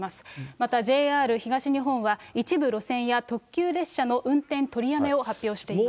またＪＲ東日本は、一部路線や特急列車の運転取りやめを発表しています。